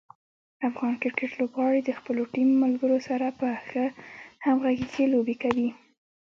افغان کرکټ لوبغاړي د خپلو ټیم ملګرو سره په ښه همغږي کې لوبې کوي.